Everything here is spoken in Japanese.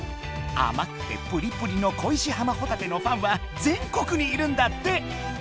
あまくてプリプリの恋し浜ほたてのファンは全国にいるんだって！